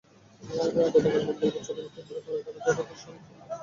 গতকাল মঙ্গলবার চট্টগ্রাম কেন্দ্রীয় কারাগারের ফটকের সামনে থেকে তাঁকে আটক করে পুলিশ।